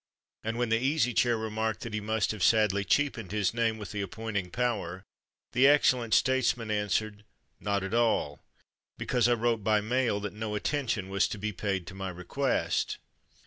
And when the Easy Chair remarked that he must have sadly cheapened his name with the appointing power, the excellent statesman answered, "Not at all; because I wrote by mail that no attention was to be paid to my request."